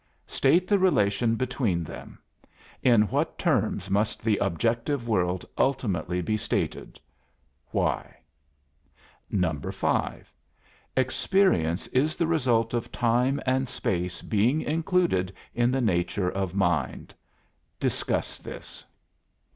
State the relation between them. In what terms must the objective world ultimately be stated? Why? 5. Experience is the result of time and space being included in the nature of mind. Discuss this.